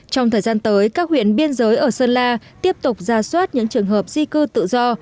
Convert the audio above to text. trong thời gian tới các huyện biên giới ở sơn la tiếp tục ra soát những trường hợp di cư tự do